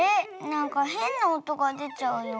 なんかへんなおとがでちゃうよ。